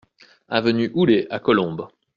Avenue Houlet à Colombes